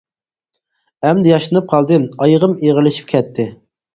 ئەمدى ياشىنىپ قالدىم، ئايىغىم ئېغىرلىشىپ كەتتى.